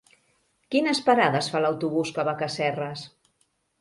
Quines parades fa l'autobús que va a Casserres?